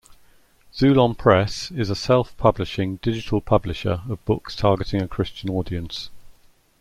Xulon Press is a self-publishing digital publisher of books targeting a Christian audience.